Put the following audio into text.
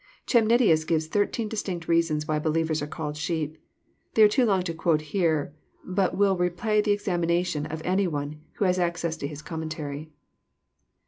Chemnitius glv9S thirteen distinct reasons why believers are called sheep. They are too long to quote here, but will repay the examination of any one who has access to his commentary.